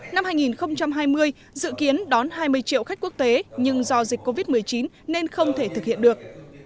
năm hai nghìn hai mươi dự kiến đón hai mươi triệu khách quốc tế nhưng do dịch covid một mươi chín nên không thể thực hiện được